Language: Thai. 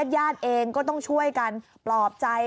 ญาติเองก็ต้องช่วยกันปลอบใจ